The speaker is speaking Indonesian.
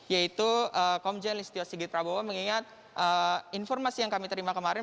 yaitu komjen listio sigit prabowo mengingat informasi yang kami terima kemarin